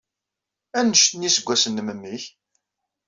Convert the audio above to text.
Anect n yiseggasen n memmi-k?